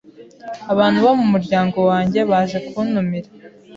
abantu bo mu muryango wanye baje kuntumira